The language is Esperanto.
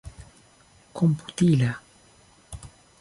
komputila